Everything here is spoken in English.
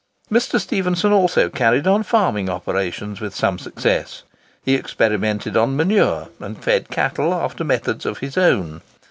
Mr. Stephenson also carried on farming operations with some success. He experimented on manure, and fed cattle after methods of his own.